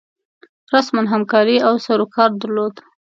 رسما همکاري او سروکار درلود.